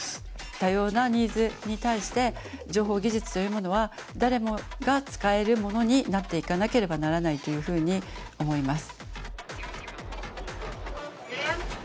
多様なニーズに対して情報技術というものは誰もが使えるものになっていかなければならないというふうに思います。